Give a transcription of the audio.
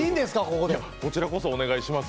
こちらこそお願いします。